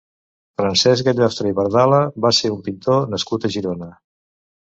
Francesc Gallostra i Verdala va ser un pintor nascut a Girona.